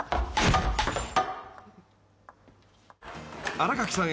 ［新垣さん